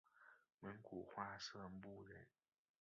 蒙古化色目人。